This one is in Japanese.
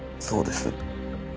そうです。